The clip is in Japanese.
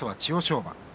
馬。